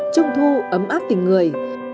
trung thu ấm áp tình người